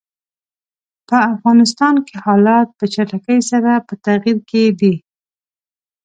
په افغانستان کې حالات په چټکۍ سره په تغییر کې دي.